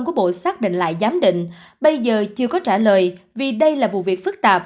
của bộ xác định lại giám định bây giờ chưa có trả lời vì đây là vụ việc phức tạp